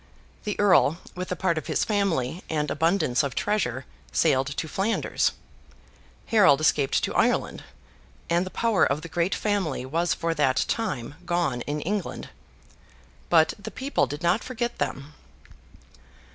The Earl, with a part of his family and abundance of treasure, sailed to Flanders; Harold escaped to Ireland; and the power of the great family was for that time gone in England. But, the people did not forget them.